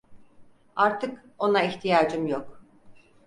Artık ona ihtiyacım yok.